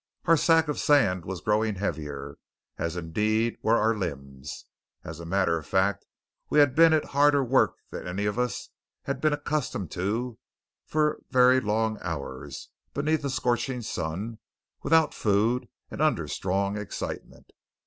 Our sack of sand was growing heavier; as indeed were our limbs. As a matter of fact we had been at harder work than any of us had been accustomed to, for very long hours, beneath a scorching sun, without food, and under strong excitement.